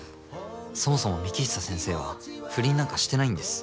そもそも幹久先生は不倫なんかしてないんです。